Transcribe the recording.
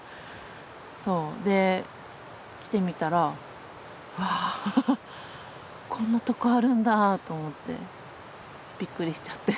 で来てみたらあこんなとこあるんだと思ってびっくりしちゃって。